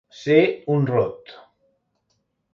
Ser un rot.